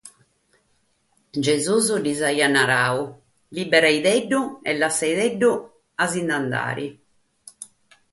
Gesùs lis aiat naradu: «Liberade·lu e lassade ci andet».